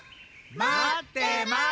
まってます！